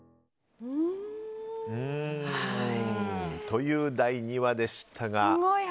という第２話でしたが。